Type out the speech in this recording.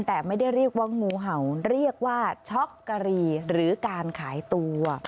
แต่ไม่ได้เรียกว่างูเห่าเรียกว่าช็อกกะหรี่หรือการขายตัว